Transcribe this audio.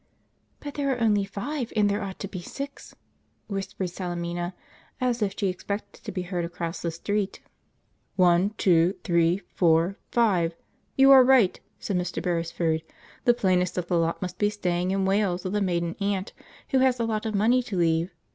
"But there are only five, and there ought to be six," whispered Salemina, as if she expected to be heard across the street. "One two three four five, you are right," said Mr. Beresford. "The plainest of the lot must be staying in Wales with a maiden aunt who has a lot of money to leave.